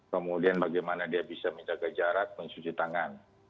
kemudian bagaimana dia bisa menjaga jarak mencuci tangan